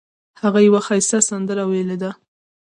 هغه یوه ښایسته سندره ویلې ده